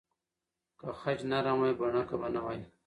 که خج نرم وای، بڼکه به نه وای.